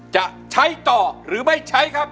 จะใช้ต่อหรือไม่ใช้ครับ